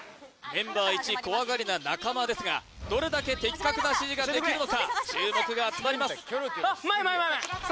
メンバー１怖がりな中間ですがどれだけ的確な指示ができるのか注目が集まりますあっ